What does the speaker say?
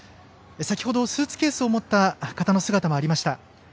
先ほどスーツケースを持った方の姿もありました。